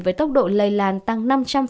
với tốc độ lây lan tăng năm trăm linh